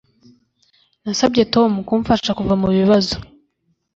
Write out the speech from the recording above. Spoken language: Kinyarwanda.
nasabye tom kumfasha kuva mubibazo